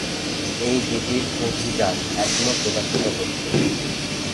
এই জুটির অভিযান এখনও প্রকাশিত হচ্ছে।